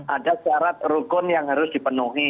ada syarat rukun yang harus dipenuhi